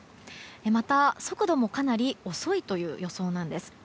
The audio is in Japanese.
また、速度もかなり遅いという予想なんです。